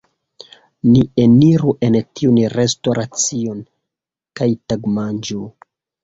Ni eniru en tiun restoracion, kaj tagmanĝu.